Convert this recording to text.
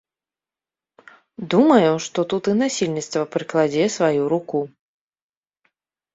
Думаю, што тут і насельніцтва прыкладзе сваю руку.